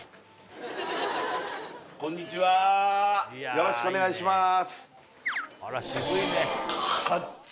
よろしくお願いします